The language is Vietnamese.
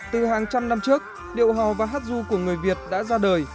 từ hàng trăm năm trước điệu hò và hát du của người việt đã ra đời